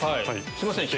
すいません